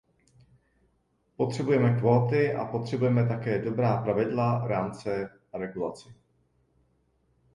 Potřebujeme kvóty a potřebujeme také dobrá pravidla, rámce a regulaci.